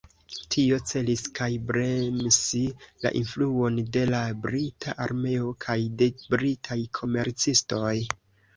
Tio celis kaj bremsi la influon de la brita armeo kaj de britaj komercistoj.